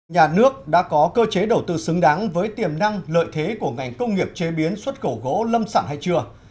nhà nước đã có cơ chế đầu tư xứng đáng với tiềm năng lợi thế của ngành công nghiệp chế biến xuất khẩu gỗ lâm sản hay chưa